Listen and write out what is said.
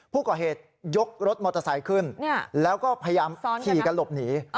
ผู้ก่อเหตุยกรถมอเตอร์ไซค์ขึ้นแล้วก็พยายามขี่กันหลบหนี